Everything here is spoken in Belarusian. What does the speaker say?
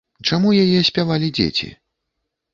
Чаму яе спявалі дзеці?